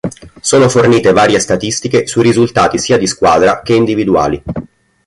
Sono fornite varie statistiche sui risultati sia di squadra che individuali.